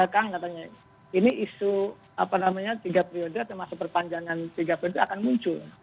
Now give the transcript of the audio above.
kang katanya ini isu apa namanya tiga periode termasuk perpanjangan tiga periode akan muncul